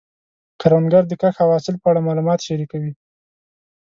کروندګر د کښت او حاصل په اړه معلومات شریکوي